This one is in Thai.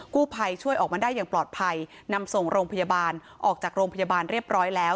กู้ภัยช่วยออกมาได้อย่างปลอดภัยนำส่งโรงพยาบาลออกจากโรงพยาบาลเรียบร้อยแล้ว